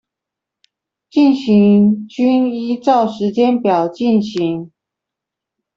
進行均依照時間表進行